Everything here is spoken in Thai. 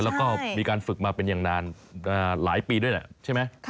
แล้วก็มีการฝึกมาเป็นอย่างนานหลายปีด้วยแหละใช่ไหม